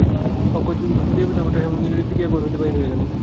অক্ষয়কে দেখিবামাত্র হেমনলিনী ফিরিয়া ঘর হইতে বাহির হইয়া গেল।